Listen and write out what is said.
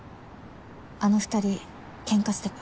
あの２人ケンカしてた。